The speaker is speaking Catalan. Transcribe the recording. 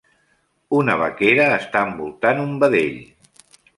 Una vaquera està envoltant un vedell.